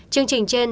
chương trình trên